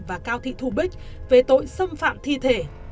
và cao thị thu bích về tội xâm phạm thi thể